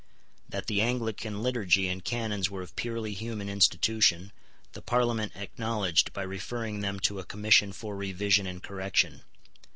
That the Anglican liturgy and canons were of purely human institution the Parliament acknowledged by referring them to a Commission for revision and correction.